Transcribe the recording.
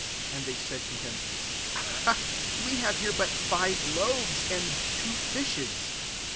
17 And they said to him, " We have here but five loaves, and two fishes."